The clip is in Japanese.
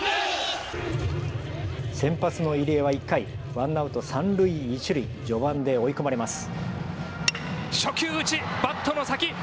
先発の入江は１回、ワンアウト三塁一塁序盤で追い込まれます。